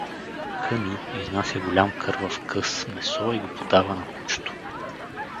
Къню изнася голям кървав къс месо и го подава на кучето.